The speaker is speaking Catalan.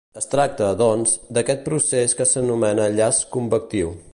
Es tracta, doncs, d'aquest procés que s'anomena llaç convectiu.